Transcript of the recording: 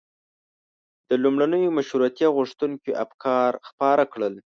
د لومړنیو مشروطیه غوښتونکيو افکار خپاره کړل.